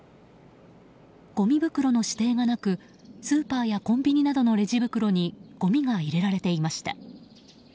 ごみ袋の指定がなくスーパーやコンビニなどのレジ袋にごみが入れられていました。